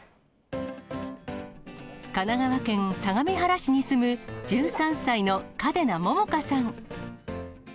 神奈川県相模原市に住む１３歳の嘉手納杏果さん。